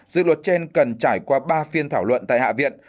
dự luật trên cần trải qua ba phiên thảo luận tại hạ viện